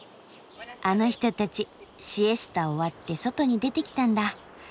あの人たちシエスタ終わって外に出てきたんだ。